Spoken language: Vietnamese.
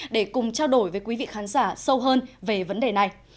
để cùng trao đổi với quý vị khán giả sâu hơn về vấn đề này